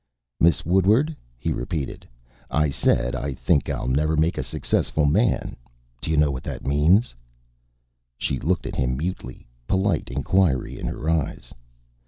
"Miss Woodward," he repeated, "I said I think I'll never make a successful man. Do you know what that means?" She looked at him mutely, polite inquiry in her eyes.